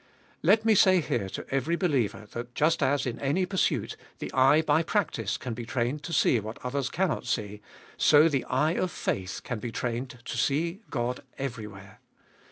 Let me here say to every believer that just as, in any pursuit, the eye by practice can be trained to see what others cannot see, so the eye of faith can be trained to see God everywhere.